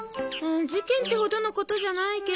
事件ってほどのことじゃないけど。